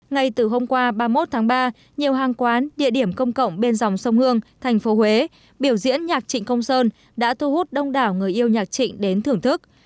ngay từ hôm qua ba mươi một tháng ba nhiều hàng quán địa điểm công cộng bên dòng sông hương thành phố huế biểu diễn nhạc trịnh công sơn đã thu hút đông đảo người yêu nhạc trịnh đến thưởng thức